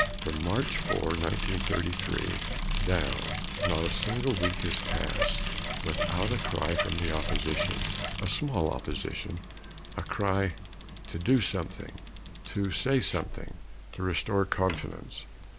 From March 4, 1933 down, not a single week has passed without a cry from the opposition, a small opposition, a cry "to do something, to say something, to restore confidence."